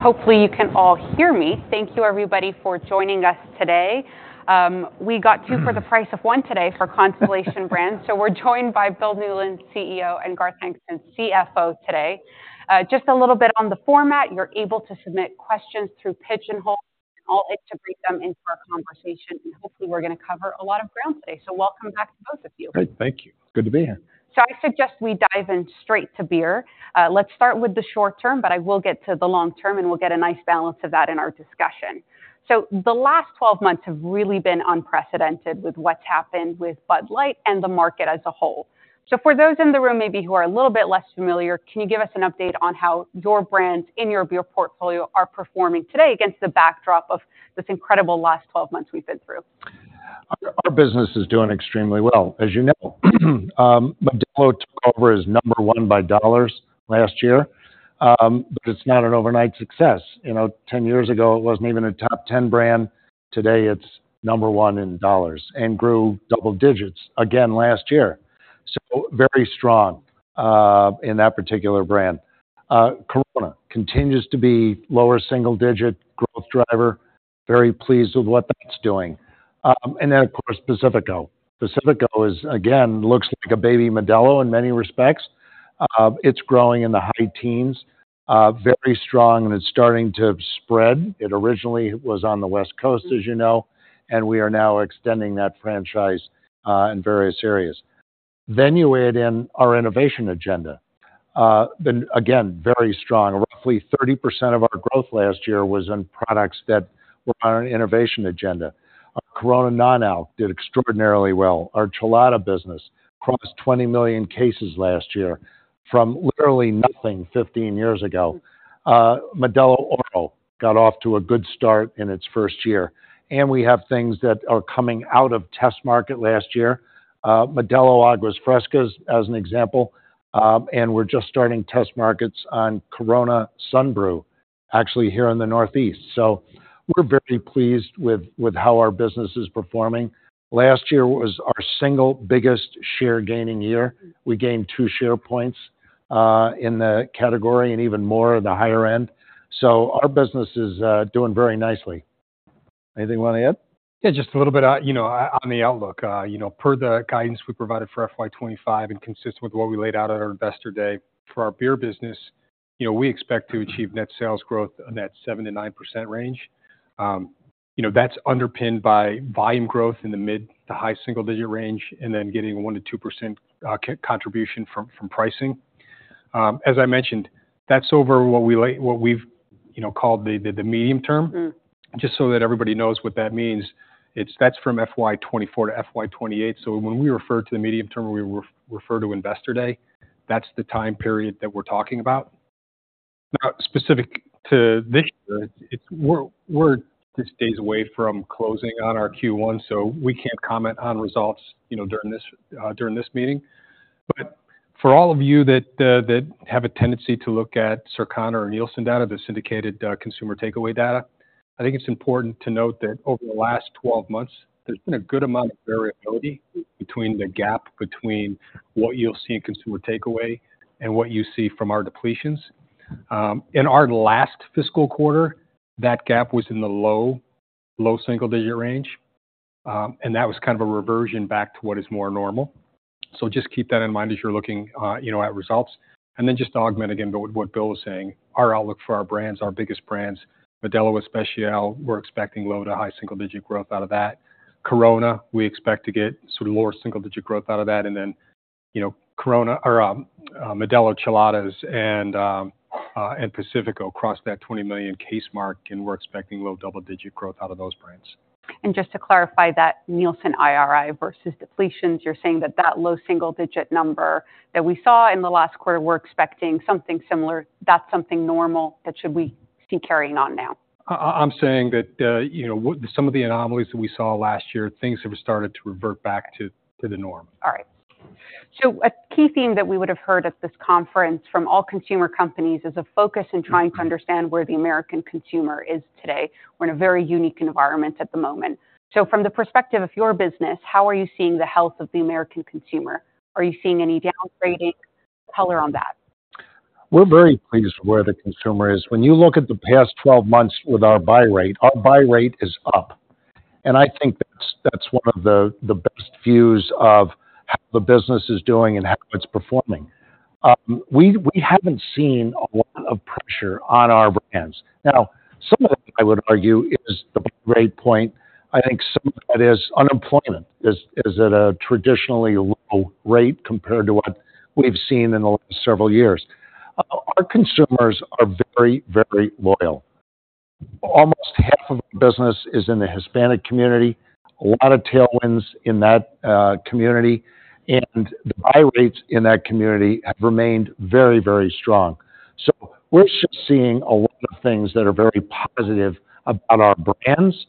Hopefully, you can all hear me. Thank you, everybody, for joining us today. We got two for the price of one today for Constellation Brands. So we're joined by Bill Newlands, CEO, and Garth Hankinson, CFO today. Just a little bit on the format. You're able to submit questions through Pigeonhole, and I'll integrate them into our conversation, and hopefully, we're gonna cover a lot of ground today. So welcome back to both of you. Great, thank you. Good to be here. I suggest we dive in straight to beer. Let's start with the short term, but I will get to the long term, and we'll get a nice balance of that in our discussion. The last 12 months have really been unprecedented with what's happened with Bud Light and the market as a whole. For those in the room, maybe who are a little bit less familiar, can you give us an update on how your brands in your beer portfolio are performing today against the backdrop of this incredible last 12 months we've been through? Our business is doing extremely well, as you know. But Bud Light took over as number one by dollars last year. But it's not an overnight success. You know, 10 years ago, it wasn't even a top 10 brand. Today, it's number one in dollars and grew double digits again last year. So very strong in that particular brand. Corona continues to be lower single digit growth driver, very pleased with what that's doing. And then, of course, Pacifico. Pacifico is, again, looks like a baby Modelo in many respects. It's growing in the high teens, very strong, and it's starting to spread. It originally was on the West Coast, as you know, and we are now extending that franchise in various areas. Then you add in our innovation agenda. Then again, very strong. Roughly 30% of our growth last year was in products that were on our innovation agenda. Our Corona Non-Alc did extraordinarily well. Our Chelada business crossed 20 million cases last year from literally nothing 15 years ago. Modelo Oro got off to a good start in its first year, and we have things that are coming out of test market last year, Modelo Aguas Frescas, as an example, and we're just starting test markets on Corona Sunbrew, actually here in the Northeast. So we're very pleased with, with how our business is performing. Last year was our single biggest share gaining year. We gained 2 share points in the category and even more in the higher end. So our business is doing very nicely. Anything you want to add? Yeah, just a little bit, you know, on the outlook. You know, per the guidance we provided for FY 2025 and consistent with what we laid out at our Investor Day, for our beer business, you know, we expect to achieve net sales growth in that 7%-9% range. You know, that's underpinned by volume growth in the mid- to high-single-digit range, and then getting a 1%-2% contribution from pricing. As I mentioned, that's over what we like—what we've, you know, called the medium term. Mm. Just so that everybody knows what that means, that's from FY 2024 to FY 2028. So when we refer to the medium term, or we refer to Investor Day, that's the time period that we're talking about. Now, specific to this year, we're just days away from closing on our Q1, so we can't comment on results, you know, during this meeting. But for all of you that have a tendency to look at Circana or Nielsen data, the syndicated consumer takeaway data, I think it's important to note that over the last 12 months, there's been a good amount of variability between the gap between what you'll see in consumer takeaway and what you see from our depletions. In our last fiscal quarter, that gap was in the low, low single-digit range, and that was kind of a reversion back to what is more normal. So just keep that in mind as you're looking, you know, at results. And then just to augment again, with what Bill was saying, our outlook for our brands, our biggest brands, Modelo Especial, we're expecting low- to high-single-digit growth out of that. Corona, we expect to get sort of lower single-digit growth out of that. And then, you know, Corona or Modelo Cheladas and, and Pacifico across that 20 million case mark, and we're expecting low double-digit growth out of those brands. Just to clarify that, Nielsen, IRI versus depletions, you're saying that that low single digit number that we saw in the last quarter, we're expecting something similar. That's something normal that should we see carrying on now? I'm saying that, you know, what some of the anomalies that we saw last year, things have started to revert back to the norm. All right. So a key theme that we would have heard at this conference from all consumer companies is a focus in trying to understand where the American consumer is today. We're in a very unique environment at the moment. So from the perspective of your business, how are you seeing the health of the American consumer? Are you seeing any downgrading? Color on that. We're very pleased with where the consumer is. When you look at the past 12 months with our buy rate, our buy rate is up, and I think that's one of the best views of how the business is doing and how it's performing. We haven't seen a lot of pressure on our brands. Now, some of that, I would argue, is the buy rate point. I think some of that is unemployment at a traditionally low rate compared to what we've seen in the last several years. Our consumers are very, very loyal. Almost half of the business is in the Hispanic community, a lot of tailwinds in that community, and the buy rates in that community have remained very, very strong. So we're just seeing a lot of things that are very positive about our brands.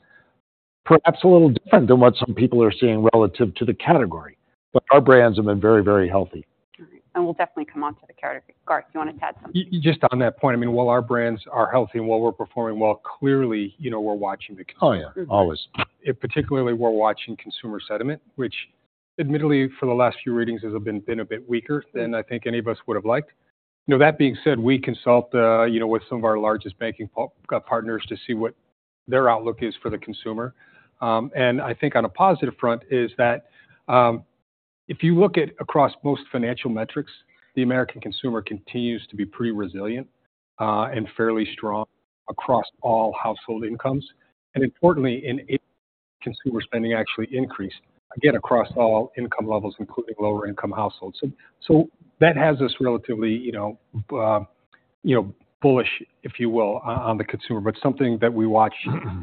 Perhaps a little different than what some people are seeing relative to the category, but our brands have been very, very healthy. All right. We'll definitely come on to the category. Garth, you wanted to add something? Just on that point, I mean, while our brands are healthy and while we're performing well, clearly, you know, we're watching the- Oh, yeah. Always. Particularly, we're watching consumer sentiment, which, admittedly, for the last few readings, it has been a bit weaker than I think any of us would have liked. You know, that being said, we consult, you know, with some of our largest banking partners to see what their outlook is for the consumer. And I think on a positive front is that, if you look at across most financial metrics, the American consumer continues to be pretty resilient, and fairly strong across all household incomes. And importantly, in consumer spending, actually increased, again, across all income levels, including lower-income households. So that has us relatively, you know, you know, bullish, if you will, on the consumer, but something that we watch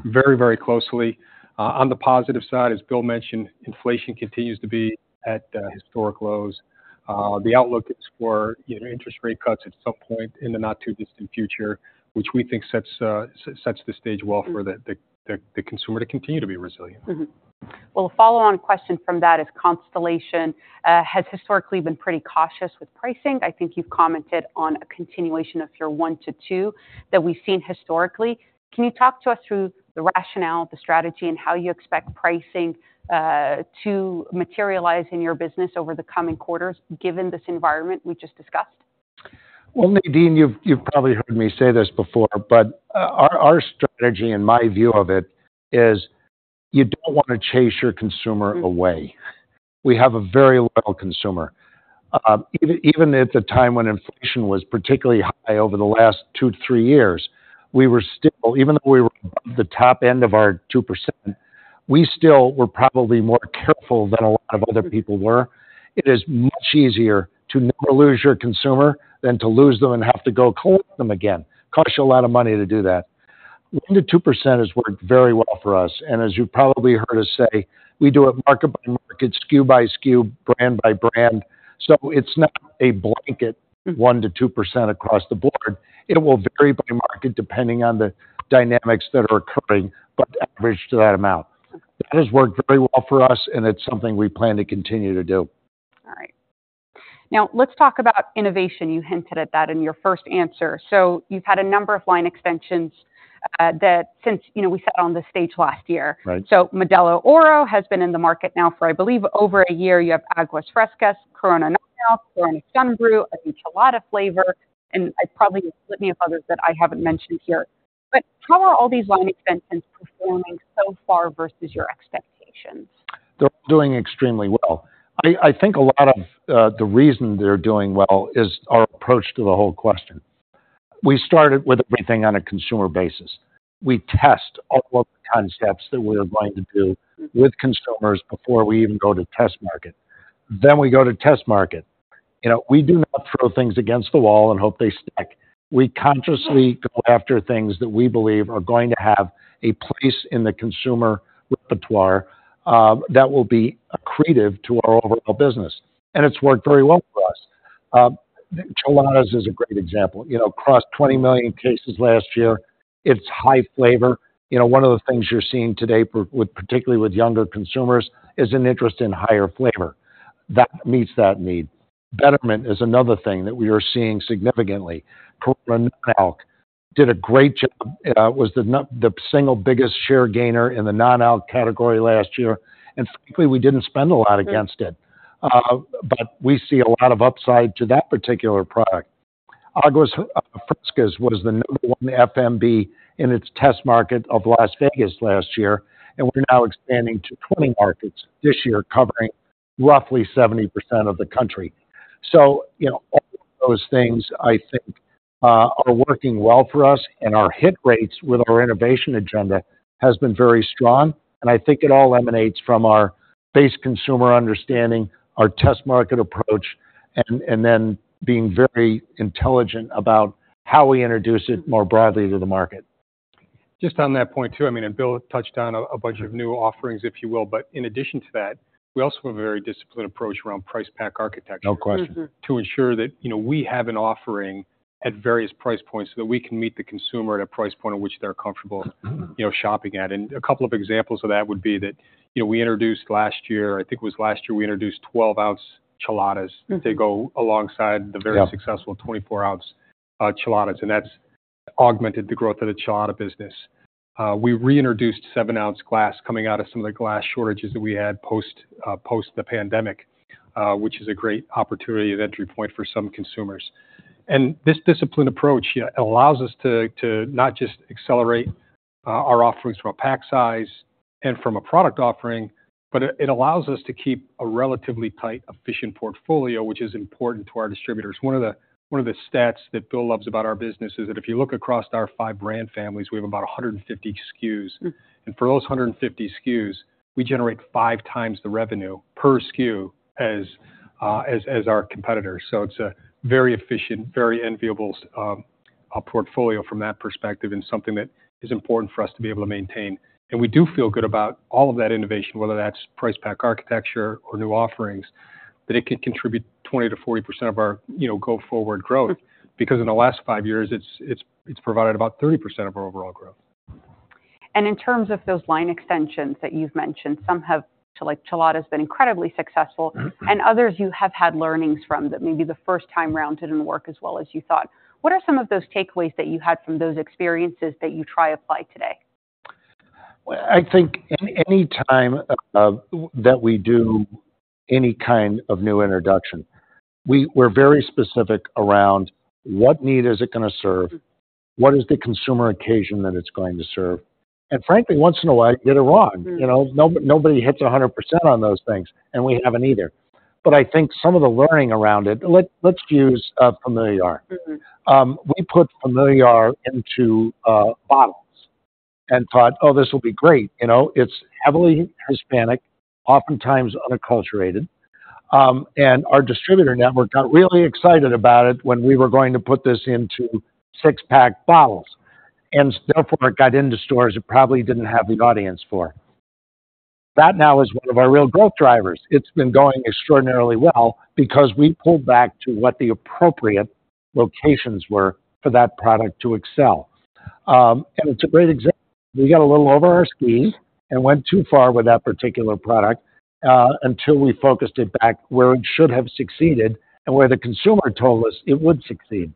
very, very closely. On the positive side, as Bill mentioned, inflation continues to be at historic lows. The outlook is for, you know, interest rate cuts at some point in the not-too-distant future, which we think sets the stage well for the consumer to continue to be resilient. Mm-hmm. Well, a follow-on question from that is Constellation has historically been pretty cautious with pricing. I think you've commented on a continuation of your 1-2 that we've seen historically. Can you talk to us through the rationale, the strategy, and how you expect pricing to materialize in your business over the coming quarters, given this environment we just discussed? Well, Nadine, you've probably heard me say this before, but our strategy and my view of it is you don't want to chase your consumer away. We have a very loyal consumer. Even at the time when inflation was particularly high over the last 2-3 years, we were still, even though we were above the top end of our 2%, we still were probably more careful than a lot of other people were. It is much easier to never lose your consumer than to lose them and have to go court them again. Costs you a lot of money to do that. 1%-2% has worked very well for us, and as you probably heard us say, we do it market by market, SKU by SKU, brand by brand, so it's not a blanket 1%-2% across the board. It will vary by market depending on the dynamics that are occurring, but average to that amount. That has worked very well for us, and it's something we plan to continue to do. All right. Now, let's talk about innovation. You hinted at that in your first answer. So you've had a number of line extensions, that since, you know, we sat on this stage last year. Right. So Modelo Oro has been in the market now for, I believe, over a year. You have Aguas Frescas, Corona Non-Alcoholic, Corona Sunbrew, a new Chelada flavor, and probably a litany of others that I haven't mentioned here. But how are all these line extensions performing so far versus your expectations? They're doing extremely well. I, I think a lot of the reason they're doing well is our approach to the whole question. We started with everything on a consumer basis. We test all the concepts that we are going to do with consumers before we even go to test market. Then we go to test market. You know, we do not throw things against the wall and hope they stick. We consciously go after things that we believe are going to have a place in the consumer repertoire, that will be accretive to our overall business, and it's worked very well for us. Cheladas is a great example. You know, crossed 20 million cases last year. It's high flavor. You know, one of the things you're seeing today, particularly with younger consumers, is an interest in higher flavor. That meets that need. Peppermint is another thing that we are seeing significantly. Corona Non-Alc did a great job. It was the single biggest share gainer in the Non-Alc category last year, and frankly, we didn't spend a lot against it. But we see a lot of upside to that particular product. Aguas Frescas was the number one FMB in its test market of Las Vegas last year, and we're now expanding to 20 markets this year, covering roughly 70% of the country. So, you know, all those things, I think, are working well for us, and our hit rates with our innovation agenda has been very strong, and I think it all emanates from our base consumer understanding, our test market approach, and then being very intelligent about how we introduce it more broadly to the market. Just on that point, too, I mean, and Bill touched on a bunch of new offerings, if you will, but in addition to that, we also have a very disciplined approach around Price Pack Architecture- No question. Mm-hmm. -to ensure that, you know, we have an offering at various price points so that we can meet the consumer at a price point in which they're comfortable, you know, shopping at. And a couple of examples of that would be that, you know, we introduced last year, I think it was last year, we introduced 12-ounce Cheladas. Mm. They go alongside the- Yeah Very successful 24-ounce Cheladas, and that's augmented the growth of the Chelada business. We reintroduced 7-ounce glass coming out of some of the glass shortages that we had post the pandemic, which is a great opportunity and entry point for some consumers. And this disciplined approach, yeah, allows us to not just accelerate our offerings from a pack size and from a product offering, but it allows us to keep a relatively tight, efficient portfolio, which is important to our distributors. One of the stats that Bill loves about our business is that if you look across our five brand families, we have about 150 SKUs. Mm. And for those 150 SKUs, we generate five times the revenue per SKU as our competitors. So it's a very efficient, very enviable portfolio from that perspective, and something that is important for us to be able to maintain. And we do feel good about all of that innovation, whether that's Price Pack Architecture or new offerings, that it can contribute 20%-40% of our, you know, go-forward growth. Because in the last 5 years, it's provided about 30% of our overall growth. In terms of those line extensions that you've mentioned, some have, like Chelada, has been incredibly successful- Mm-hmm... and others, you have had learnings from, that maybe the first time around didn't work as well as you thought. What are some of those takeaways that you had from those experiences that you try to apply today?... Well, I think any time that we do any kind of new introduction, we're very specific around what need is it gonna serve? What is the consumer occasion that it's going to serve? And frankly, once in a while, get it wrong. You know, no, nobody hits 100% on those things, and we haven't either. But I think some of the learning around it... Let's use Familiar. We put Familiar into bottles and thought: Oh, this will be great. You know, it's heavily Hispanic, oftentimes unacculturated. And our distributor network got really excited about it when we were going to put this into six-pack bottles, and therefore it got into stores it probably didn't have the audience for. That now is one of our real growth drivers. It's been going extraordinarily well because we pulled back to what the appropriate locations were for that product to excel. And it's a great example. We got a little over our skis and went too far with that particular product, until we focused it back where it should have succeeded and where the consumer told us it would succeed.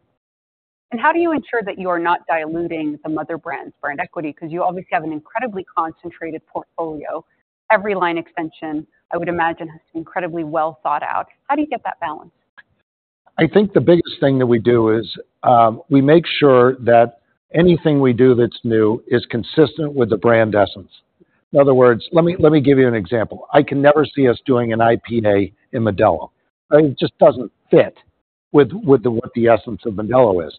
How do you ensure that you are not diluting some other brands' brand equity? Because you obviously have an incredibly concentrated portfolio. Every line extension, I would imagine, has to be incredibly well thought out. How do you get that balance? I think the biggest thing that we do is, we make sure that anything we do that's new is consistent with the brand essence. In other words, let me give you an example. I can never see us doing an IPA in Modelo. It just doesn't fit with the, what the essence of Modelo is.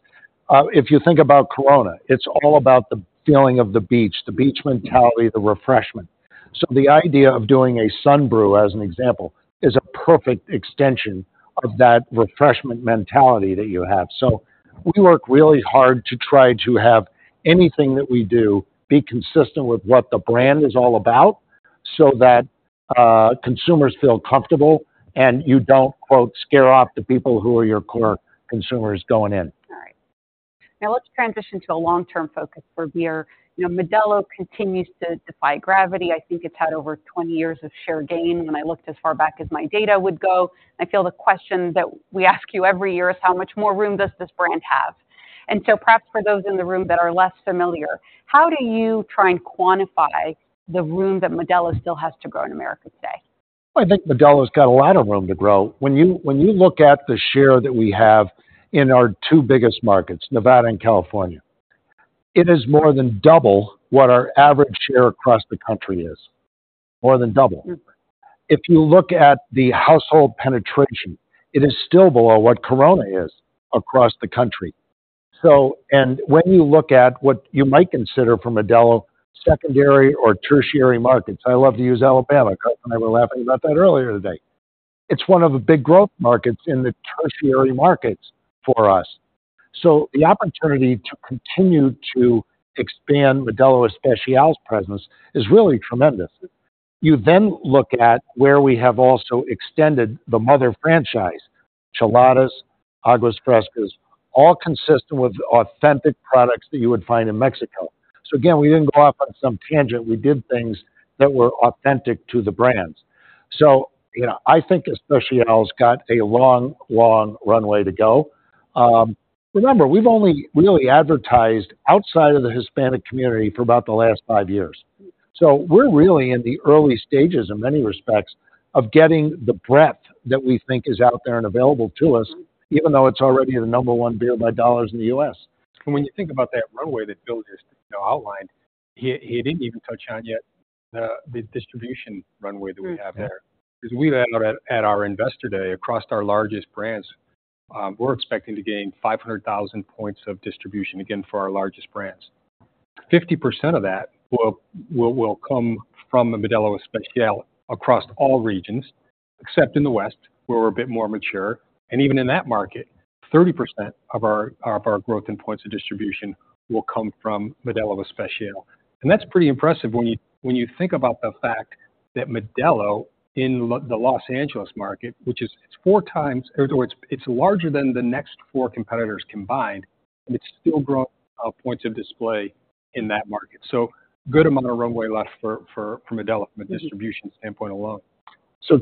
If you think about Corona, it's all about the feeling of the beach, the beach mentality, the refreshment. So the idea of doing a Sunbrew, as an example, is a perfect extension of that refreshment mentality that you have. So we work really hard to try to have anything that we do be consistent with what the brand is all about, so that, consumers feel comfortable, and you don't, quote, "scare off" the people who are your core consumers going in. All right. Now, let's transition to a long-term focus for beer. You know, Modelo continues to defy gravity. I think it's had over 20 years of share gain, when I looked as far back as my data would go. I feel the question that we ask you every year is: How much more room does this brand have? And so perhaps for those in the room that are less familiar, how do you try and quantify the room that Modelo still has to grow in America today? I think Modelo's got a lot of room to grow. When you look at the share that we have in our two biggest markets, Nevada and California, it is more than double what our average share across the country is. More than double. If you look at the household penetration, it is still below what Corona is across the country. So, and when you look at what you might consider for Modelo, secondary or tertiary markets, I love to use Alabama. Kyle and I were laughing about that earlier today. It's one of the big growth markets in the tertiary markets for us. So the opportunity to continue to expand Modelo Especial's presence is really tremendous. You then look at where we have also extended the mother franchise, Cheladas, Aguas Frescas, all consistent with authentic products that you would find in Mexico. So again, we didn't go off on some tangent. We did things that were authentic to the brands. So, you know, I think Especial's got a long, long runway to go. Remember, we've only really advertised outside of the Hispanic community for about the last five years, so we're really in the early stages, in many respects, of getting the breadth that we think is out there and available to us, even though it's already the number one beer by dollars in the U.S. When you think about that runway that Bill just outlined, he didn't even touch on yet the distribution runway that we have there. Because we had at our investor day, across our largest brands, we're expecting to gain 500,000 points of distribution, again, for our largest brands. 50% of that will come from the Modelo Especial across all regions, except in the West, where we're a bit more mature. And even in that market, 30% of our growth in points of distribution will come from the Modelo Especial. And that's pretty impressive when you think about the fact that Modelo in the Los Angeles market, which is, it's four times or it's larger than the next four competitors combined, and it's still growing points of display in that market. So good amount of runway left for Modelo from a distribution standpoint alone.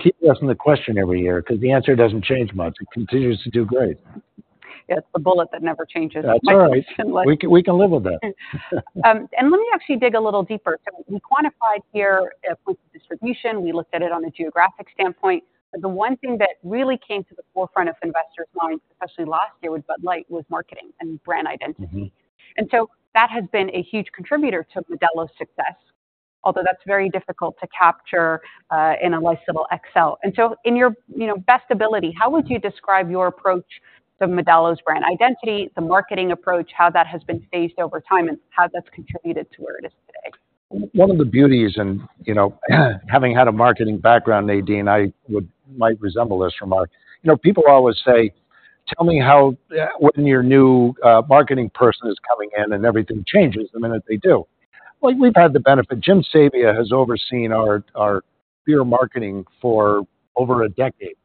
Keep asking the question every year, because the answer doesn't change much. It continues to do great. It's the bullet that never changes. That's all right. We can, we can live with that. And let me actually dig a little deeper. So we quantified here, points of distribution. We looked at it on a geographic standpoint, but the one thing that really came to the forefront of investors' minds, especially last year, with Bud Light, was marketing and brand identity. Mm-hmm. And so that has been a huge contributor to Modelo's success, although that's very difficult to capture in a syndicated Excel. So in your, you know, best ability, how would you describe your approach to Modelo's brand identity, the marketing approach, how that has been phased over time, and how that's contributed to where it is today? One of the beauties and, you know, having had a marketing background, Nadine, I might resemble this remark. You know, people always say, "Tell me how, when your new marketing person is coming in, and everything changes the minute they do." Well, we've had the benefit. Jim Sabia has overseen our beer marketing for over a decade.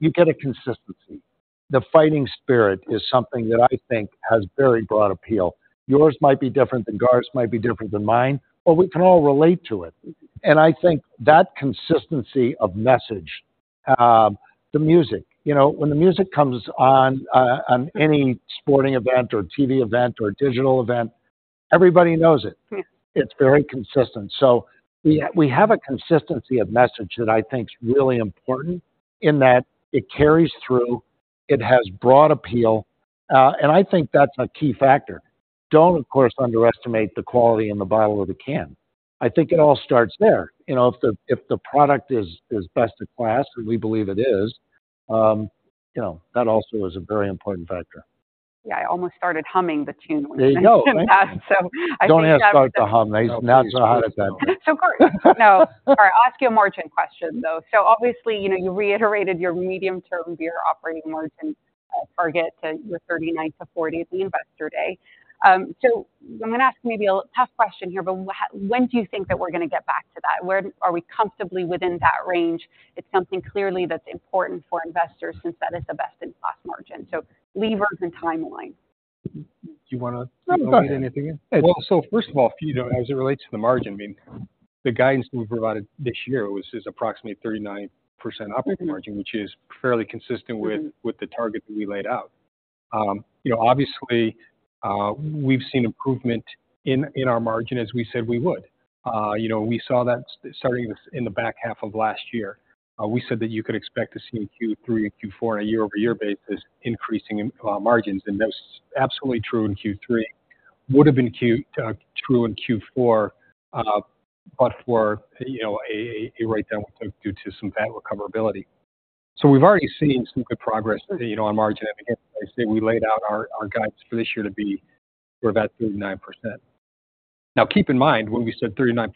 You get a consistency. The fighting spirit is something that I think has very broad appeal. Yours might be different than ours, might be different than mine, but we can all relate to it. And I think that consistency of message. The music. You know, when the music comes on, on any sporting event or TV event or digital event, everybody knows it. Hmm. It's very consistent. So we have a consistency of message that I think is really important, in that it carries through, it has broad appeal, and I think that's a key factor. Don't, of course, underestimate the quality in the bottle or the can. I think it all starts there. You know, if the product is best in class, and we believe it is, you know, that also is a very important factor. Yeah, I almost started humming the tune when you- There you go. I think that- Don't have to start to hum. They, now they know how it is then. So great. No. All right, ask you a margin question, though. So obviously, you know, you reiterated your medium-term beer operating margin target to the 39%-40% at the investor day. So I'm gonna ask maybe a tough question here, but when do you think that we're gonna get back to that? Where are we comfortably within that range? It's something clearly that's important for investors, since that is the best in class margin. So levers and timeline. Do you wanna- No, go ahead. Add anything in? Well, so first of all, you know, as it relates to the margin, I mean, the guidance that we provided this year was, is approximately 39% operating margin, which is fairly consistent with, with the target that we laid out. You know, obviously, we've seen improvement in, in our margin, as we said we would. You know, we saw that starting this in the back half of last year. We said that you could expect to see in Q3 and Q4 on a year-over-year basis, increasing margins, and that's absolutely true in Q3. Would have been true in Q4, but for, you know, a write-down due to some bad recoverability. So we've already seen some good progress, you know, on margin. Again, I say we laid out our guidance for this year to be about 39%. Now, keep in mind, when we said 39%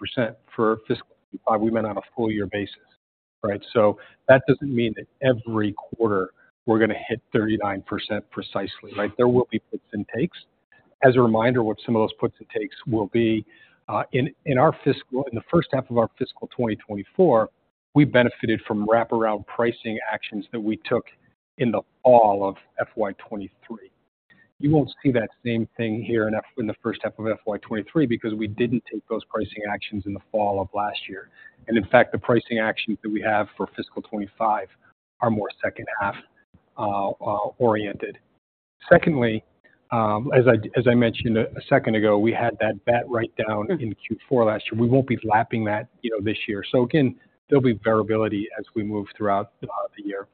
for fiscal 2025, we meant on a full year basis, right? So that doesn't mean that every quarter we're gonna hit 39% precisely, right? There will be puts and takes. As a reminder, what some of those puts and takes will be, in our fiscal—in the first half of our fiscal 2024, we benefited from wraparound pricing actions that we took in the fall of FY 2023. You won't see that same thing here in the first half of FY 2023, because we didn't take those pricing actions in the fall of last year. And in fact, the pricing actions that we have for fiscal 2025 are more second half oriented. Secondly, as I mentioned a second ago, we had that bad write down in Q4 last year. We won't be lapping that, you know, this year. So again, there'll be variability as we move throughout the year.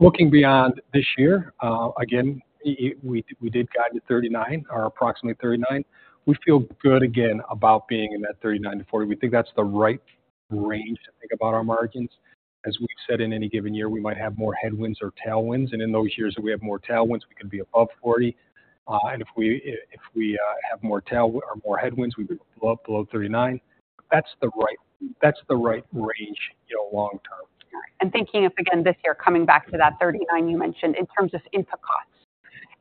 Looking beyond this year, again, we did guide to 39, or approximately 39. We feel good again about being in that 39-40. We think that's the right range to think about our margins. As we've said, in any given year, we might have more headwinds or tailwinds, and in those years that we have more tailwinds, we could be above 40. And if we have more tail or more headwinds, we would be below 39. That's the right range, you know, long term. Thinking of again, this year, coming back to that 39 you mentioned, in terms of input costs,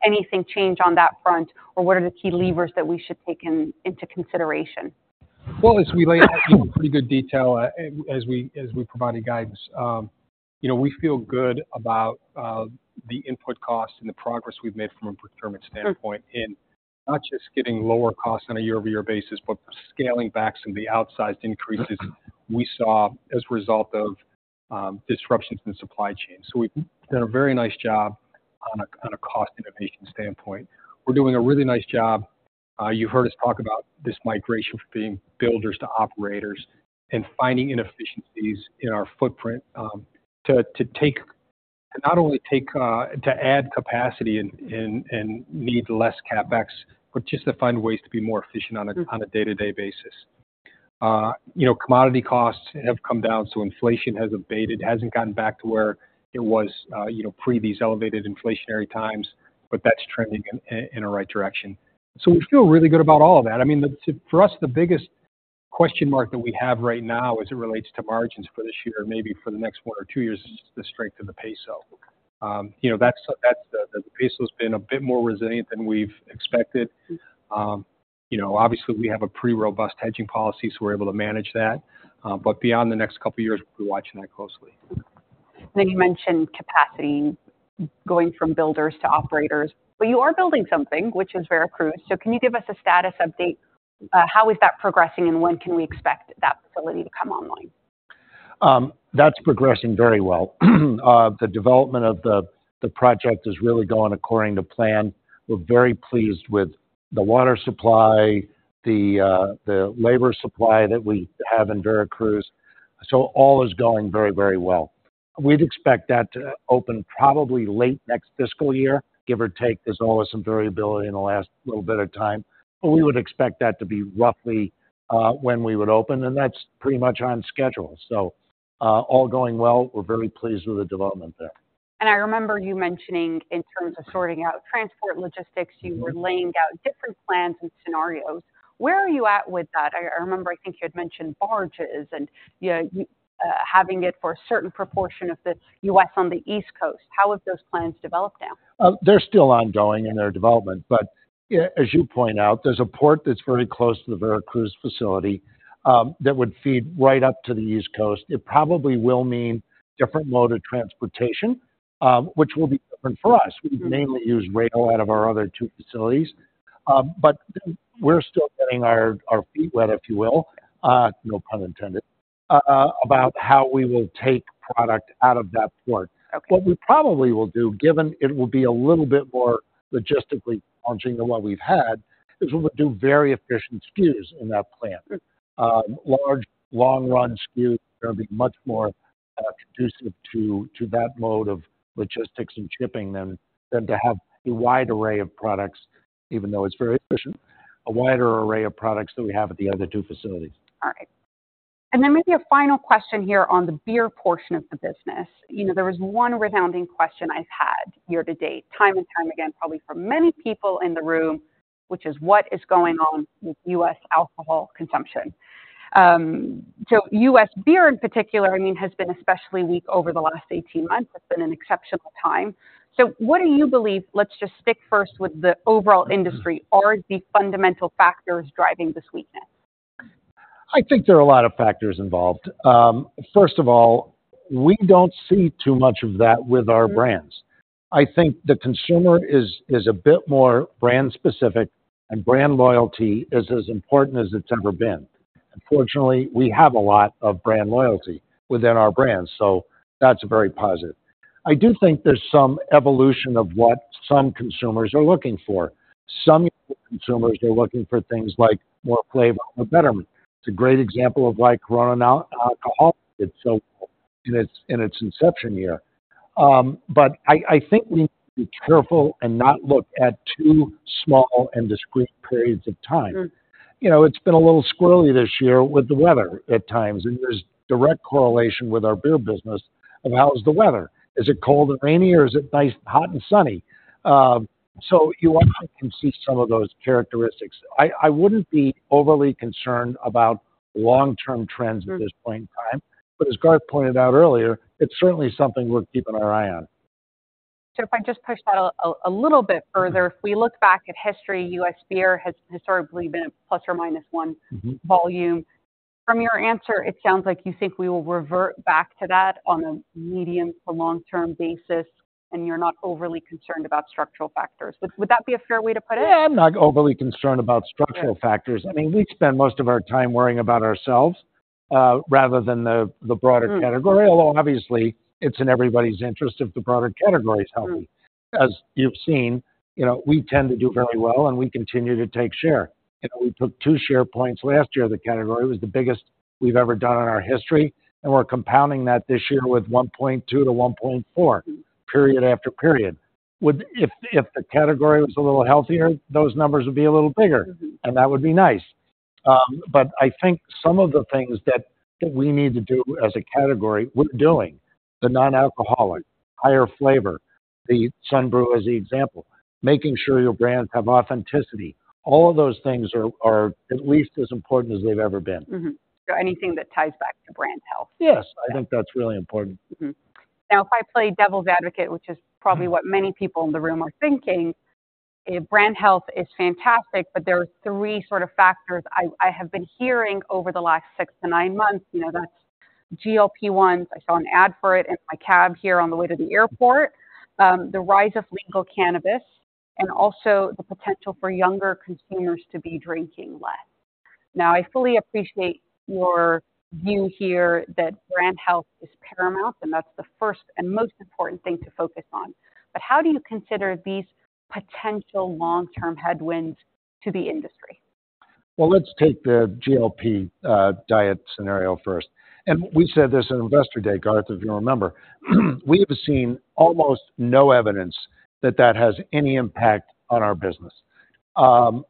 anything change on that front? Or what are the key levers that we should take in, into consideration? Well, as we laid out in pretty good detail, as we, as we provided guidance, you know, we feel good about the input costs and the progress we've made from a procurement standpoint in not just getting lower costs on a year-over-year basis, but scaling back some of the outsized increases we saw as a result of disruptions in the supply chain. So we've done a very nice job on a, on a cost innovation standpoint. We're doing a really nice job. You've heard us talk about this migration from being builders to operators and finding inefficiencies in our footprint, to, to take - to not only take, to add capacity and, and, and need less CapEx, but just to find ways to be more efficient on a, on a day-to-day basis. You know, commodity costs have come down, so inflation has abated. It hasn't gotten back to where it was, you know, pre these elevated inflationary times, but that's trending in, in a right direction. So we feel really good about all of that. I mean, the, for us, the biggest question mark that we have right now as it relates to margins for this year, maybe for the next one or two years, is the strength of the Mexican peso. You know, that's, that's the, the Mexican peso has been a bit more resilient than we've expected. You know, obviously, we have a pretty robust hedging policy, so we're able to manage that. But beyond the next couple of years, we'll be watching that closely. Then you mentioned capacity going from builders to operators, but you are building something, which is Veracruz. So can you give us a status update? How is that progressing, and when can we expect that facility to come online? That's progressing very well. The development of the project is really going according to plan. We're very pleased with the water supply, the labor supply that we have in Veracruz. So all is going very, very well. We'd expect that to open probably late next fiscal year, give or take. There's always some variability in the last little bit of time, but we would expect that to be roughly when we would open, and that's pretty much on schedule. So, all going well. We're very pleased with the development there. I remember you mentioning in terms of sorting out transport logistics, you were laying out different plans and scenarios. Where are you at with that? I remember, I think you had mentioned barges and, you know, you having it for a certain proportion of the U.S. on the East Coast. How have those plans developed now? They're still ongoing in their development, but as you point out, there's a port that's very close to the Veracruz facility, that would feed right up to the East Coast. It probably will mean different mode of transportation, which will be different for us. We mainly use rail out of our other two facilities. But we're still getting our feet wet, if you will, no pun intended, about how we will take product out of that port. What we probably will do, given it will be a little bit more logistically challenging than what we've had, is we would do very efficient SKUs in that plant. Large, long-run SKUs are gonna be much more conducive to that mode of logistics and shipping than to have a wide array of products, even though it's very efficient, a wider array of products than we have at the other two facilities. All right. Then maybe a final question here on the beer portion of the business. You know, there was one resounding question I've had year to date, time and time again, probably from many people in the room, which is: What is going on with U.S. alcohol consumption? So U.S. beer in particular, I mean, has been especially weak over the last 18 months. It's been an exceptional time. So what do you believe, let's just stick first with the overall industry, are the fundamental factors driving this weakness? I think there are a lot of factors involved. First of all, we don't see too much of that with our brands. I think the consumer is a bit more brand specific, and brand loyalty is as important as it's ever been. Unfortunately, we have a lot of brand loyalty within our brands, so that's very positive. I do think there's some evolution of what some consumers are looking for. Some consumers are looking for things like more flavor, more betterment. It's a great example of why Corona Non-Alcoholic did so well in its inception year. But I think we need to be careful and not look at too small and discrete periods of time. Sure. You know, it's been a little squirrely this year with the weather at times, and there's direct correlation with our beer business of how is the weather? Is it cold and rainy, or is it nice, hot and sunny? So you can see some of those characteristics. I wouldn't be overly concerned about long-term trends at this point in time, but as Garth pointed out earlier, it's certainly something we're keeping our eye on. So if I just push that a little bit further, if we look back at history, U.S. beer has historically been a plus or minus one- Mm-hmm -volume. From your answer, it sounds like you think we will revert back to that on a medium to long-term basis, and you're not overly concerned about structural factors. Would, would that be a fair way to put it? Yeah, I'm not overly concerned about structural factors. I mean, we spend most of our time worrying about ourselves rather than the broader category, although obviously it's in everybody's interest if the broader category is healthy. As you've seen, you know, we tend to do very well, and we continue to take share. You know, we took two share points last year as a category. It was the biggest we've ever done in our history, and we're compounding that this year with 1.2-1.4, period after period. If the category was a little healthier, those numbers would be a little bigger, and that would be nice. But I think some of the things that we need to do as a category, we're doing. The non-alcoholic, higher flavor, the Sunbrew as the example, making sure your brands have authenticity. All of those things are at least as important as they've ever been. Mm-hmm. So anything that ties back to brand health? Yes, I think that's really important. Mm-hmm. Now, if I play devil's advocate, which is probably what many people in the room are thinking, if brand health is fantastic, but there are three sort of factors I have been hearing over the last 6-9 months. You know, that's GLP-1, I saw an ad for it in my cab here on the way to the airport, the rise of legal cannabis, and also the potential for younger consumers to be drinking less. Now, I fully appreciate your view here that brand health is paramount, and that's the first and most important thing to focus on. But how do you consider these potential long-term headwinds to the industry? Well, let's take the GLP diet scenario first. And we said this in Investor Day, Garth, if you remember, we have seen almost no evidence that that has any impact on our business. And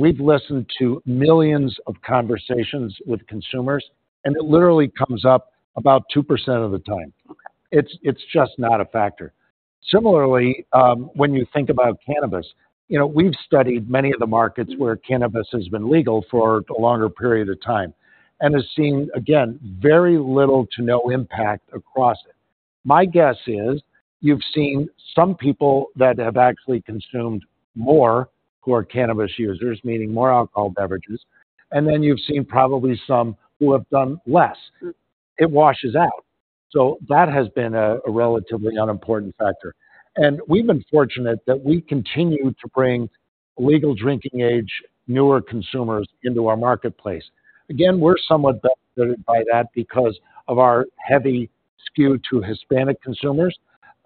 we've listened to millions of conversations with consumers, and it literally comes up about 2% of the time. Okay. It's just not a factor. Similarly, when you think about cannabis, you know, we've studied many of the markets where cannabis has been legal for a longer period of time and has seen, again, very little to no impact across it. My guess is you've seen some people that have actually consumed more, who are cannabis users, meaning more alcohol beverages, and then you've seen probably some who have done less. Mm. It washes out. So that has been a relatively unimportant factor. And we've been fortunate that we continue to bring legal drinking age, newer consumers into our marketplace. Again, we're somewhat benefited by that because of our heavy skew to Hispanic consumers.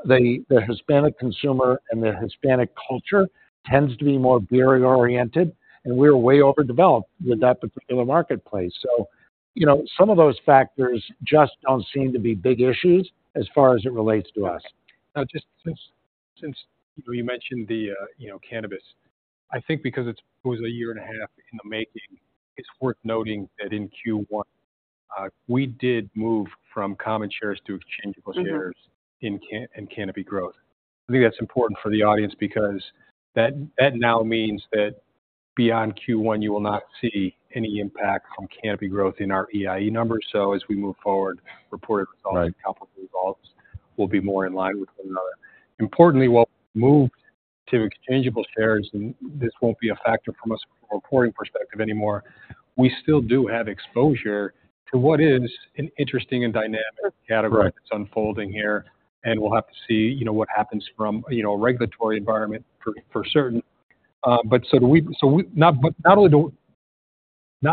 The Hispanic consumer and the Hispanic culture tends to be more beer-oriented, and we're way overdeveloped with that particular marketplace. So, you know, some of those factors just don't seem to be big issues as far as it relates to us. Now, just since you mentioned the, you know, cannabis, I think because it was a year and a half in the making, it's worth noting that in Q1, we did move from common shares to exchangeable shares. Mm-hmm in Canopy Growth. I think that's important for the audience because that, that now means that beyond Q1, you will not see any impact from Canopy Growth in our EiE numbers. So as we move forward, reported results. Right... and calculated results will be more in line with one another. Importantly, while we moved to exchangeable shares, and this won't be a factor from a reporting perspective anymore, we still do have exposure to what is an interesting and dynamic category- Right That's unfolding here, and we'll have to see, you know, what happens from, you know, a regulatory environment for certain. But not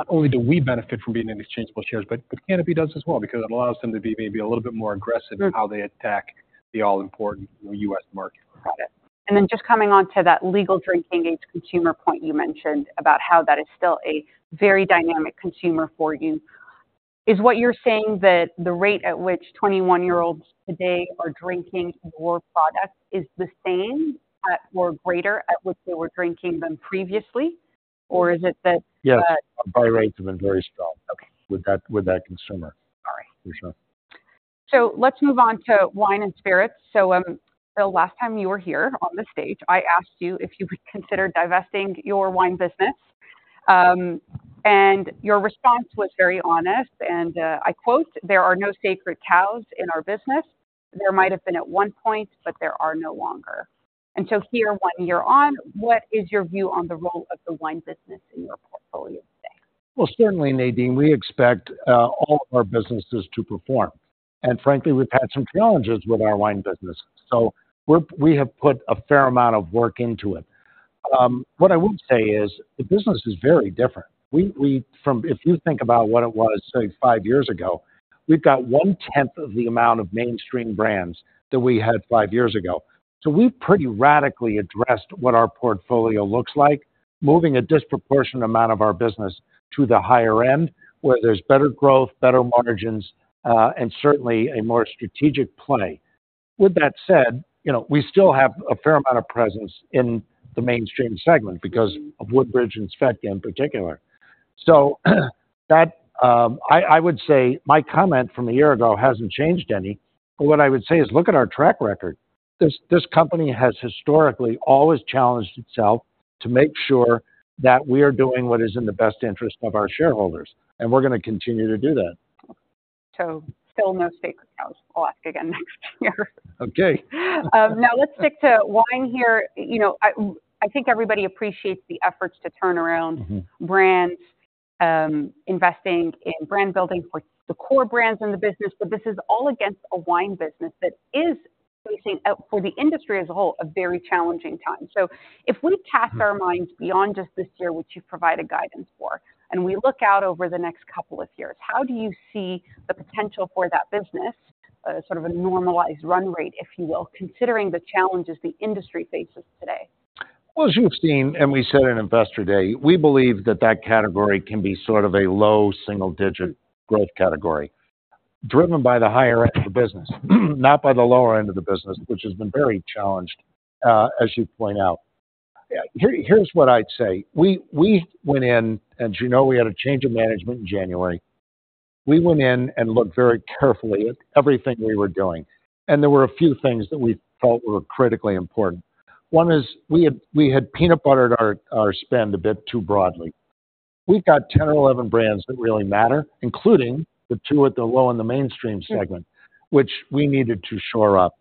only do we benefit from being in exchangeable shares, but Canopy does as well, because it allows them to be maybe a little bit more aggressive in how they attack the all-important, you know, U.S. market product. And then just coming on to that legal drinking age consumer point you mentioned, about how that is still a very dynamic consumer for you. Is what you're saying, that the rate at which 21-year-olds today are drinking your product is the same at, or greater, at which they were drinking them previously? Or is it that- Yes, our buy rates have been very strong- Okay. With that, with that consumer. All right. For sure. So let's move on to wine and spirits. The last time you were here on the stage, I asked you if you would consider divesting your wine business. And your response was very honest, and, I quote, "There are no sacred cows in our business. There might have been at one point, but there are no longer." And so here, one year on, what is your view on the role of the wine business in your portfolio today? Well, certainly, Nadine, we expect all of our businesses to perform. Frankly, we've had some challenges with our wine business, so we have put a fair amount of work into it. What I would say is, the business is very different. If you think about what it was, say, five years ago, we've got one tenth of the amount of mainstream brands that we had five years ago. So we pretty radically addressed what our portfolio looks like, moving a disproportionate amount of our business to the higher end, where there's better growth, better margins, and certainly a more strategic play. With that said, you know, we still have a fair amount of presence in the mainstream segment because of Woodbridge and Svedka in particular. So, that, I would say my comment from a year ago hasn't changed any, but what I would say is, look at our track record. This company has historically always challenged itself to make sure that we are doing what is in the best interest of our shareholders, and we're gonna continue to do that. So still no sacred cows. I'll ask again next year. Okay. Now let's stick to wine here. You know, I think everybody appreciates the efforts to turn around- Mm-hmm. -brands, investing in brand building for the core brands in the business, but this is all against a wine business that is facing, for the industry as a whole, a very challenging time. So if we cast our minds beyond just this year, which you've provided guidance for, and we look out over the next couple of years, how do you see the potential for that business, sort of a normalized run rate, if you will, considering the challenges the industry faces today? Well, as you've seen, and we said in Investor Day, we believe that that category can be sort of a low single-digit growth category, driven by the higher end of the business, not by the lower end of the business, which has been very challenged, as you point out. Here, here's what I'd say: We went in, as you know, we had a change of management in January. We went in and looked very carefully at everything we were doing, and there were a few things that we felt were critically important. One is, we had peanut buttered our spend a bit too broadly. We've got 10 or 11 brands that really matter, including the two at the low end, the mainstream segment- Mm. -which we needed to shore up.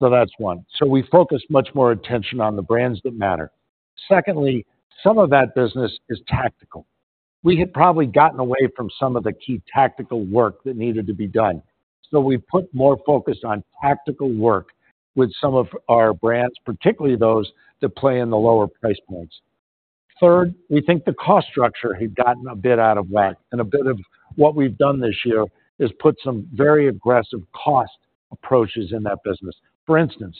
So that's one. So we focused much more attention on the brands that matter. Secondly, some of that business is tactical. We had probably gotten away from some of the key tactical work that needed to be done, so we put more focus on tactical work with some of our brands, particularly those that play in the lower price points. Third, we think the cost structure had gotten a bit out of whack, and a bit of what we've done this year is put some very aggressive cost approaches in that business. For instance,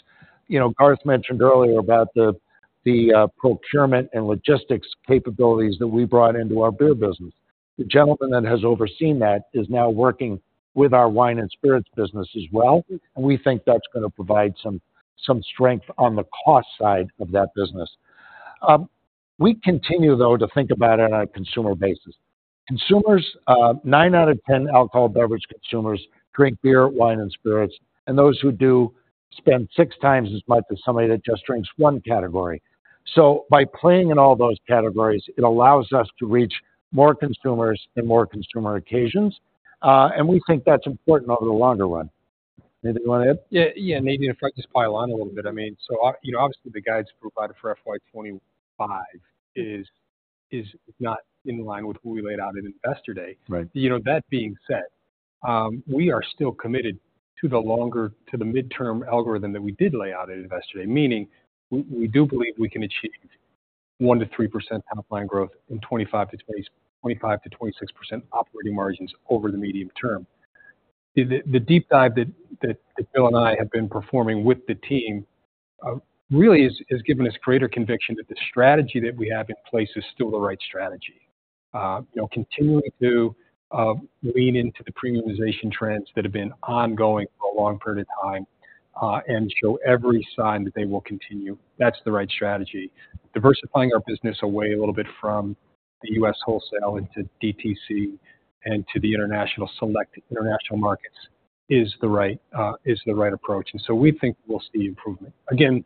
you know, Garth mentioned earlier about the procurement and logistics capabilities that we brought into our beer business. The gentleman that has overseen that is now working with our wine and spirits business as well, and we think that's gonna provide some strength on the cost side of that business. We continue, though, to think about it on a consumer basis. Consumers, nine out of ten alcohol beverage consumers drink beer, wine, and spirits, and those who do, spend six times as much as somebody that just drinks one category. So by playing in all those categories, it allows us to reach more consumers and more consumer occasions, and we think that's important over the longer run. Anything you wanna add? Yeah, yeah, Nadine, if I could just pile on a little bit. I mean, so you know, obviously, the guidance provided for FY 25 is not in line with what we laid out at Investor Day. Right. You know, that being said, we are still committed to the longer, to the midterm algorithm that we did lay out at Investor Day, meaning we, we do believe we can achieve 1%-3% top line growth and 25%-26% operating margins over the medium term. The deep dive that Bill and I have been performing with the team really has given us greater conviction that the strategy that we have in place is still the right strategy. You know, continuing to lean into the premiumization trends that have been ongoing for a long period of time and show every sign that they will continue. That's the right strategy. Diversifying our business away a little bit from the U.S. wholesale into DTC and to the international, select international markets is the right approach. And so we think we'll see improvement. Again,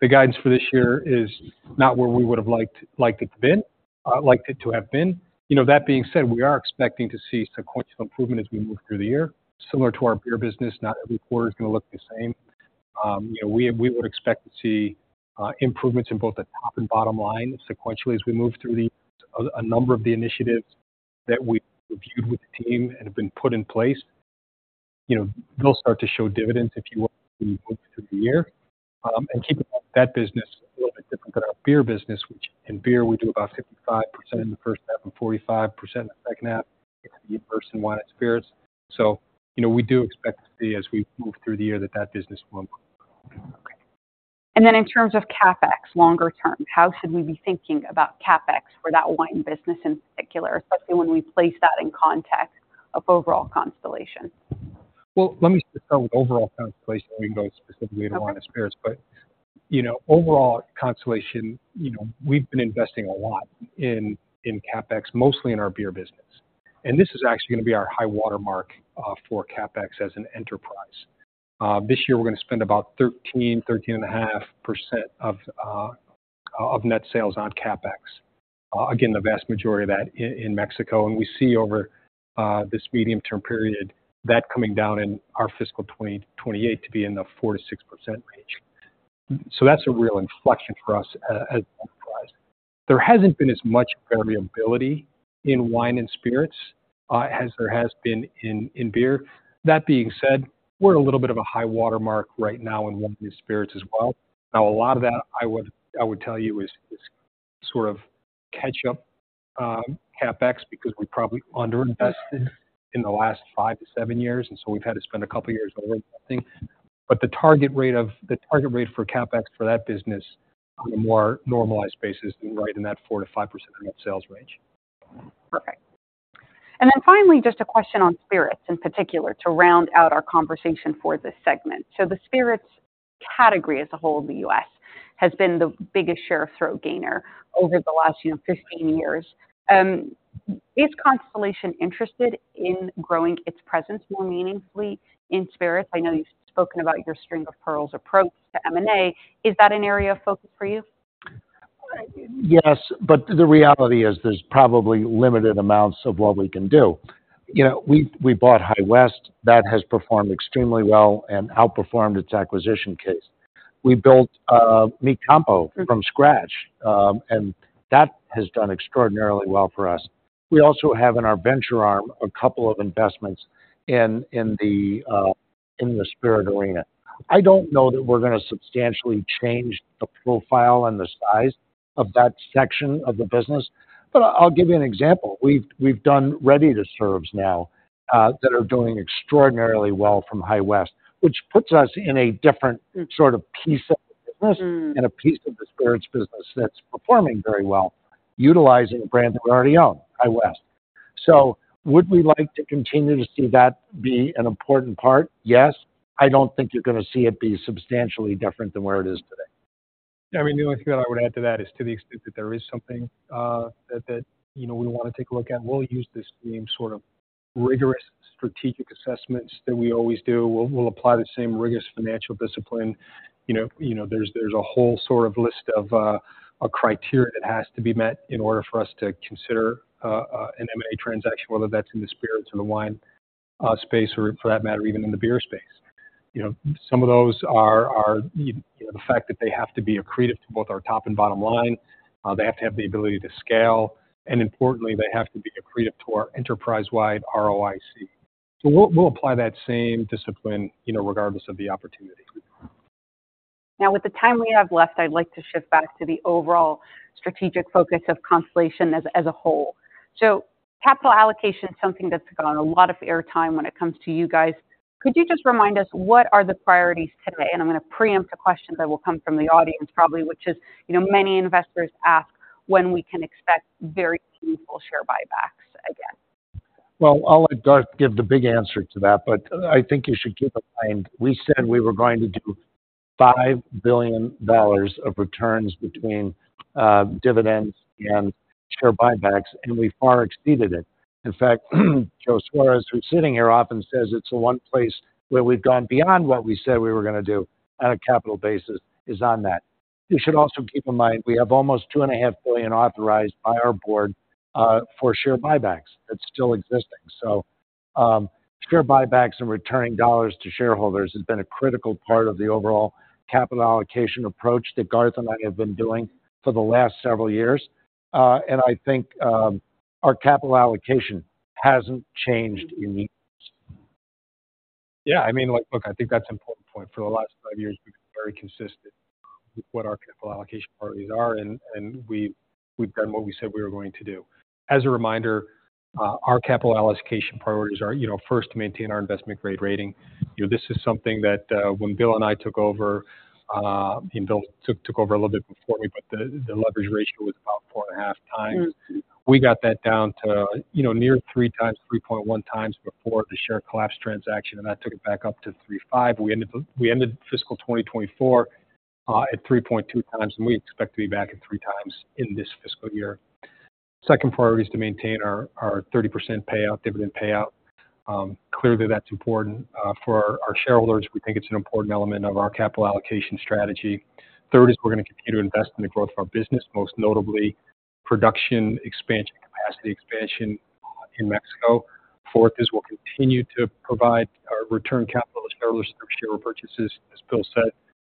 the guidance for this year is not where we would've liked it to have been. You know, that being said, we are expecting to see sequential improvement as we move through the year. Similar to our beer business, not every quarter is gonna look the same. You know, we would expect to see improvements in both the top and bottom line sequentially, as we move through the year. A number of the initiatives that we've reviewed with the team and have been put in place. You know, they'll start to show dividends, if you will, through the year. keeping that business a little bit different than our beer business, which in beer, we do about 55% in the first half and 45% in the second half, versus wine and spirits. You know, we do expect to see as we move through the year, that that business will improve. And then in terms of CapEx, longer term, how should we be thinking about CapEx for that wine business in particular, especially when we place that in context of overall Constellation? Well, let me start with overall Constellation, and we can go specifically to wine and spirits. But, you know, overall, Constellation, you know, we've been investing a lot in CapEx, mostly in our beer business. And this is actually gonna be our high watermark for CapEx as an enterprise. This year, we're gonna spend about 13-13.5% of net sales on CapEx. Again, the vast majority of that in Mexico. And we see over this medium-term period, that coming down in our fiscal 2028 to be in the 4%-6% range. So that's a real inflection for us as enterprise. There hasn't been as much variability in wine and spirits as there has been in beer. That being said, we're at a little bit of a high watermark right now in wine and spirits as well. Now, a lot of that, I would, I would tell you, is, is sort of catch-up CapEx, because we probably underinvested in the last 5-7 years, and so we've had to spend a couple of years overinvesting. But the target rate for CapEx for that business on a more normalized basis is right in that 4%-5% net sales range. Okay. And then finally, just a question on spirits, in particular, to round out our conversation for this segment. So the spirits category as a whole in the US, has been the biggest share of throat gainer over the last, you know, 15 years. Is Constellation interested in growing its presence more meaningfully in spirits? I know you've spoken about your string of pearls approach to M&A. Is that an area of focus for you? Yes, but the reality is there's probably limited amounts of what we can do. You know, we bought High West. That has performed extremely well and outperformed its acquisition case. We built Mi Campo from scratch, and that has done extraordinarily well for us. We also have in our venture arm, a couple of investments in the spirit arena. I don't know that we're gonna substantially change the profile and the size of that section of the business, but I'll give you an example: We've done ready-to-serves now that are doing extraordinarily well from High West, which puts us in a different sort of piece of the business- Mm. and a piece of the spirits business that's performing very well, utilizing a brand that we already own, High West. So would we like to continue to see that be an important part? Yes. I don't think you're gonna see it be substantially different than where it is today. I mean, the only thing that I would add to that is to the extent that there is something, that, you know, we wanna take a look at, we'll use the same sort of rigorous strategic assessments that we always do. We'll apply the same rigorous financial discipline. You know, there's a whole sort of list of a criteria that has to be met in order for us to consider an M&A transaction, whether that's in the spirits or the wine space, or for that matter, even in the beer space. You know, some of those are, you know, the fact that they have to be accretive to both our top and bottom line, they have to have the ability to scale, and importantly, they have to be accretive to our enterprise-wide ROIC. So we'll, we'll apply that same discipline, you know, regardless of the opportunity. Now, with the time we have left, I'd like to shift back to the overall strategic focus of Constellation as, as a whole. So capital allocation is something that's gotten a lot of airtime when it comes to you guys. Could you just remind us, what are the priorities today? And I'm gonna preempt the questions that will come from the audience, probably, which is, you know, many investors ask when we can expect very meaningful share buybacks again. Well, I'll let Garth give the big answer to that, but I think you should keep in mind, we said we were going to do $5 billion of returns between, dividends and share buybacks, and we far exceeded it. In fact, Joe Suarez, who's sitting here often, says it's the one place where we've gone beyond what we said we were gonna do on a capital basis is on that. You should also keep in mind, we have almost $2.5 billion authorized by our board, for share buybacks. That's still existing. So, share buybacks and returning dollars to shareholders has been a critical part of the overall capital allocation approach that Garth and I have been doing for the last several years. And I think, our capital allocation hasn't changed in years. Yeah, I mean, like, look, I think that's an important point. For the last five years, we've been very consistent with what our capital allocation priorities are, and we've done what we said we were going to do. As a reminder, our capital allocation priorities are, you know, first, to maintain our investment-grade rating. You know, this is something that, when Bill and I took over, and Bill took over a little bit before me, but the leverage ratio was about 4.5x. Mm. We got that down to, you know, near 3 times, 3.1 times before the share collapse transaction, and that took it back up to 3.5. We ended fiscal 2024 at 3.2 times, and we expect to be back at 3 times in this fiscal year. Second priority is to maintain our 30% payout, dividend payout. Clearly, that's important for our shareholders. We think it's an important element of our capital allocation strategy. Third is we're gonna continue to invest in the growth of our business, most notably production expansion, capacity expansion in Mexico. Fourth is we'll continue to provide our return capital to shareholders through share purchases. As Bill said,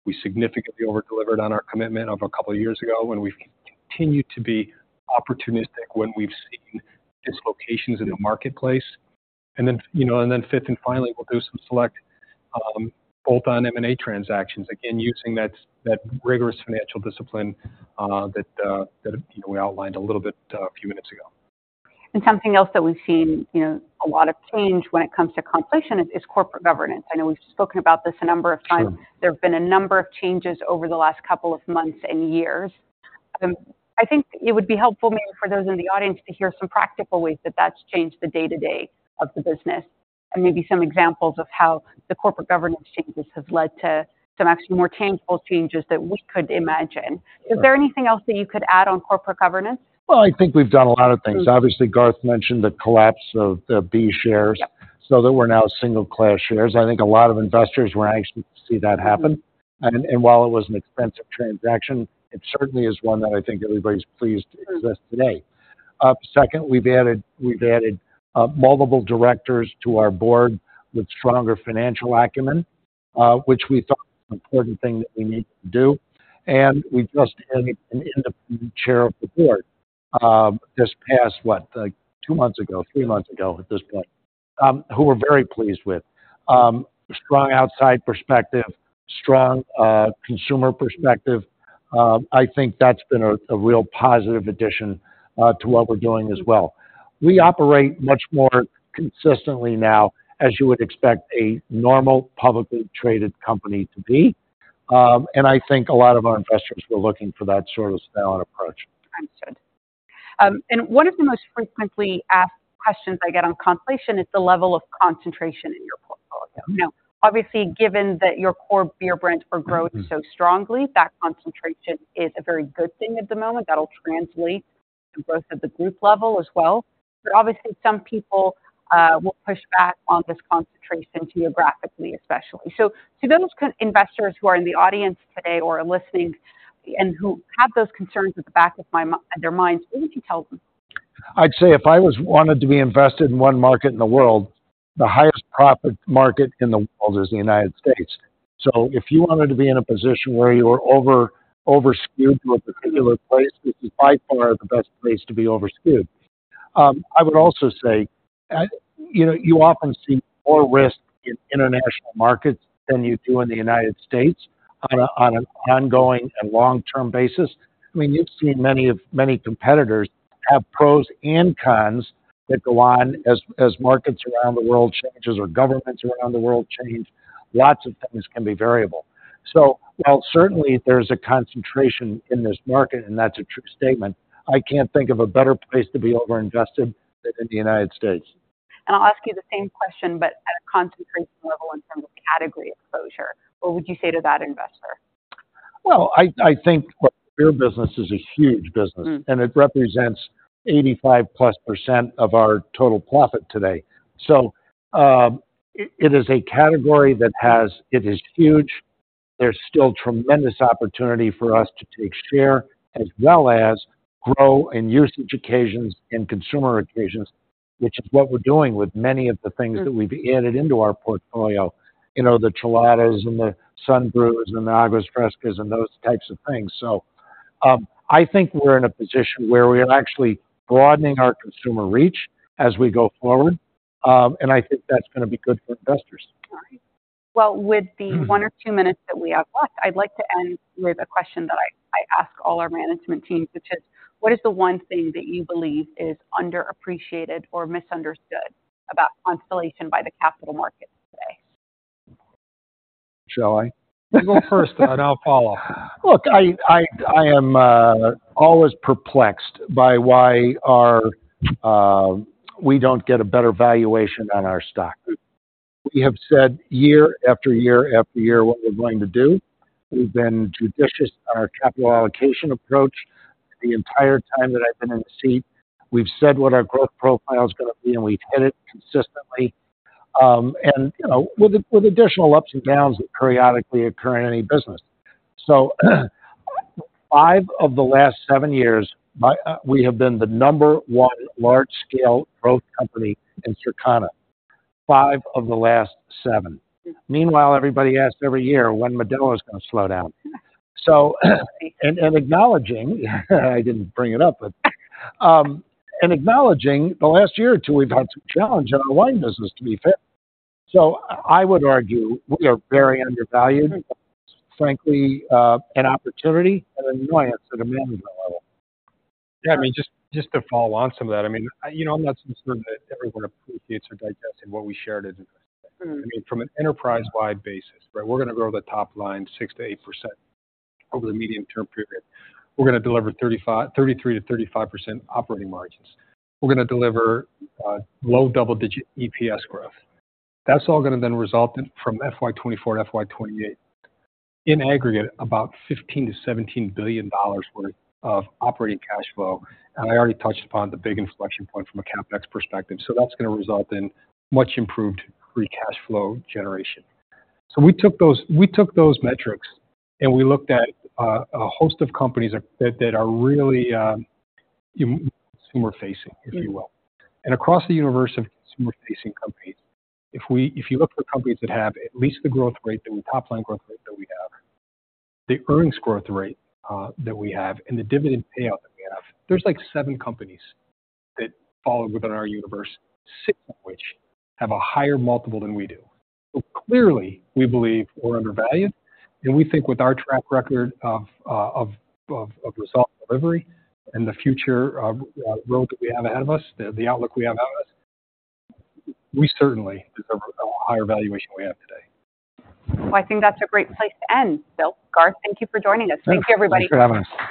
we significantly over-delivered on our commitment of a couple of years ago, and we continue to be opportunistic when we've seen dislocations in the marketplace. And then, you know, fifth and finally, we'll do some select bolt-on M&A transactions, again, using that rigorous financial discipline that, you know, we outlined a little bit a few minutes ago. Something else that we've seen, you know, a lot of change when it comes to Constellation is corporate governance. I know we've spoken about this a number of times. Sure. There have been a number of changes over the last couple of months and years. I think it would be helpful maybe for those in the audience to hear some practical ways that that's changed the day-to-day of the business, and maybe some examples of how the corporate governance changes have led to some actually more tangible changes that we could imagine. Sure. Is there anything else that you could add on corporate governance? Well, I think we've done a lot of things. Obviously, Garth mentioned the collapse of the B shares- Yep. so that we're now single class shares. I think a lot of investors were anxious to see that happen. And while it was an expensive transaction, it certainly is one that I think everybody's pleased exists today. Second, we've added multiple directors to our board with stronger financial acumen, which we thought was an important thing that we needed to do. And we just added an independent chair of the board, this past two months ago, three months ago at this point, who we're very pleased with. Strong outside perspective, strong consumer perspective. I think that's been a real positive addition to what we're doing as well. We operate much more consistently now, as you would expect a normal, publicly traded company to be. I think a lot of our investors were looking for that sort of style and approach. Understood. And one of the most frequently asked questions I get on Constellation is the level of concentration in your portfolio. Now, obviously, given that your core beer brands are growing so strongly, that concentration is a very good thing at the moment. That'll translate to growth at the group level as well. But obviously, some people will push back on this concentration geographically, especially. So to those kind of investors who are in the audience today or are listening and who have those concerns at the back of their minds, what would you tell them? I'd say if I was wanted to be invested in one market in the world, the highest profit market in the world is the United States. So if you wanted to be in a position where you were over-skewed to a particular place, this is by far the best place to be over-skewed. I would also say, you know, you often see more risk in international markets than you do in the United States on an ongoing and long-term basis. I mean, you've seen many competitors have pros and cons that go on as markets around the world changes or governments around the world change, lots of things can be variable. So while certainly there's a concentration in this market, and that's a true statement, I can't think of a better place to be overinvested than in the United States. I'll ask you the same question, but at a concentration level in terms of category exposure, what would you say to that investor? Well, I think the beer business is a huge business. Mm. - and it represents 85%+ of our total profit today. So, it is a category that has... It is huge. There's still tremendous opportunity for us to take share, as well as grow in usage occasions and consumer occasions, which is what we're doing with many of the things- Mm. That we've added into our portfolio. You know, the Cheladas and the Sunbrews and the Aguas Frescas and those types of things. So, I think we're in a position where we are actually broadening our consumer reach as we go forward, and I think that's gonna be good for investors. All right. Well, with the 1 or 2 minutes that we have left, I'd like to end with a question that I, I ask all our management teams, which is: What is the one thing that you believe is underappreciated or misunderstood about Constellation by the capital markets today? Shall I? You go first, and I'll follow. Look, I am always perplexed by why we don't get a better valuation on our stock. We have said year after year after year what we're going to do. We've been judicious in our capital allocation approach the entire time that I've been in the seat. We've said what our growth profile is gonna be, and we've hit it consistently. And, you know, with additional ups and downs that periodically occur in any business. So, five of the last seven years, we have been the number one large-scale growth company in Circana. Five of the last seven. Meanwhile, everybody asks every year when Modelo is gonna slow down. So, acknowledging, I didn't bring it up, but acknowledging the last year or two, we've had some challenge in our wine business, to be fair. I would argue we are very undervalued, frankly, an opportunity and an annoyance at a management level. Yeah, I mean, just, just to follow on some of that, I mean, you know, I'm not suggesting that everyone appreciates or digests in what we shared as investor. Mm. I mean, from an enterprise-wide basis, right, we're gonna grow the top line 6%-8% over the medium-term period. We're gonna deliver 33%-35% operating margins. We're gonna deliver low double-digit EPS growth. That's all gonna then result in, from FY 2024 to FY 2028, in aggregate, about $15 billion-$17 billion worth of operating cash flow. And I already touched upon the big inflection point from a CapEx perspective, so that's gonna result in much improved free cash flow generation. So we took those, we took those metrics, and we looked at a host of companies that, that are really consumer-facing, if you will. Mm. Across the universe of consumer-facing companies, if you look for companies that have at least the growth rate, that the top line growth rate that we have, the earnings growth rate that we have, and the dividend payout that we have, there's like seven companies that fall within our universe, six of which have a higher multiple than we do. So clearly, we believe we're undervalued, and we think with our track record of result delivery and the future road that we have ahead of us, the outlook we have ahead of us, we certainly deserve a higher valuation we have today. Well, I think that's a great place to end. Bill, Garth, thank you for joining us. Thanks. Thank you, everybody. Thanks for having us.